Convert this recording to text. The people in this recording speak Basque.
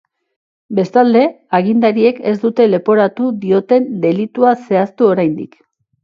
Bestalde, agintariek ez dute leporatu dioten delitua zehaztu oraindik.